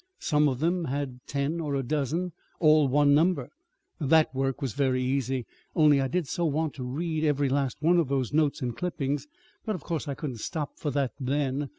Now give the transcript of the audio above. Some of them had ten or a dozen, all one number. That work was very easy only I did so want to read every last one of those notes and clippings! But of course I couldn't stop for that then.